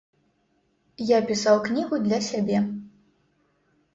Я пісаў кнігу для сябе.